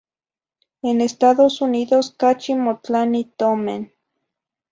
En Estados Unidos cachi motlani tomen.